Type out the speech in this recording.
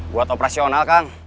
buat operasional kang